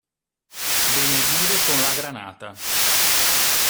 Benedire con la granata.